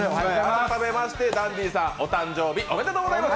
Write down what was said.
改めましてダンディさんお誕生日おめでとうございます。